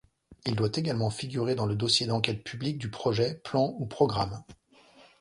Il doit également figurer dans le dossier d'enquête publique du projet, plan ou programme.